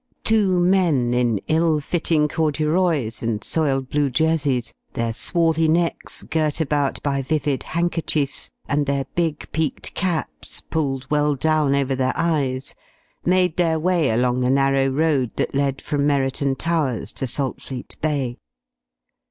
Two men, in ill fitting corduroys and soiled blue jerseys, their swarthy necks girt about by vivid handkerchiefs, and their big peaked caps pulled well down over their eyes, made their way along the narrow lane that led from Merriton Towers to Saltfleet Bay.